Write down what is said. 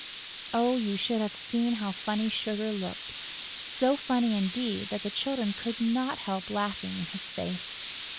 Oh, you should have seen how funny Sugar looked: so funny, indeed, that the Children could not help laughing in his face!